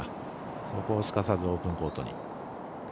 そこをすかさずオープンコートに。